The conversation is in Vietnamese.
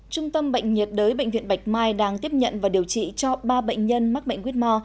trung tâm bệnh nhiệt đới bệnh viện bạch mai đang tiếp nhận và điều trị cho ba bệnh nhân mắc bệnh quyết mò